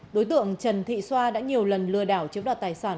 đối tượng trần thị xoa đã nhiều lần lừa đảo chiếm đoạt tài sản